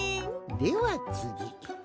ではつぎ。